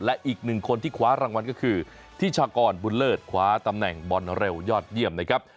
และอีกหนึ่งคนที่คว้ารางวัลก็คือทิชากรบุญเลิศคว้าตำแหน่งบอลเร็วยอดเยี่ยมนะครับ